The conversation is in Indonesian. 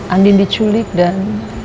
andin diculik dan